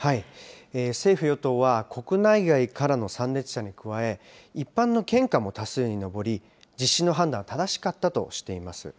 政府・与党は国内外からの参列者に加え、一般の献花も多数に上り、実施の判断は正しかったとしています。